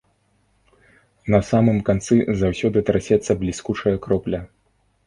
На самым канцы заўсёды трасецца бліскучая кропля.